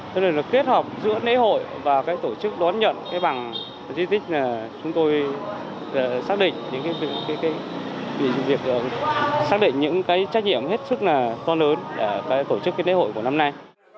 thế nên là kết hợp giữa lễ hội và tổ chức đón nhận bằng di tích chúng tôi xác định những trách nhiệm hết sức to lớn của tổ chức lễ hội của năm nay